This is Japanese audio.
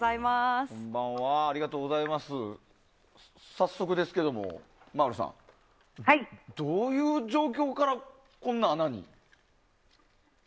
早速ですけれども、まぁるさんどういう状況から、こんな穴に？